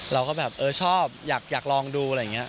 เราก็แบบเออชอบอยากลองดูอะไรอย่างนี้